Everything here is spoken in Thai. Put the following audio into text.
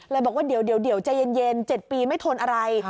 บอกว่าเดี๋ยวใจเย็น๗ปีไม่ทนอะไร